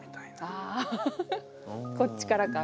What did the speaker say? あこっちからか。